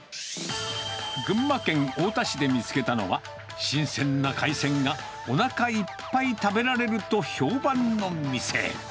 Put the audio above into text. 群馬県太田市で見つけたのは、新鮮な海鮮がおなかいっぱい食べられると評判の店。